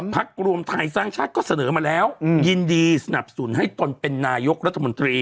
รวมไทยสร้างชาติก็เสนอมาแล้วยินดีสนับสนุนให้ตนเป็นนายกรัฐมนตรี